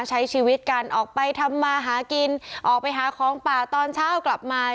ใช้ชีวิตกันออกไปทำมาหากินออกไปหาของป่าตอนเช้ากลับมา